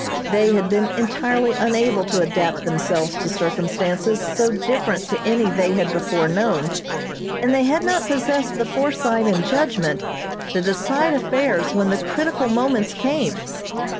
They had been entirely unable to adapt themselves to circumstances so different to any they had before known, and they had not possessed the foresight and judgment to decide affairs when the critical moments came.